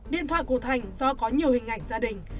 điện thoại của thành do có nhiều hình ảnh gia đình